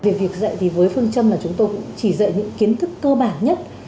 về việc dạy thì với phương châm là chúng tôi cũng chỉ dạy những kiến thức cơ bản nhất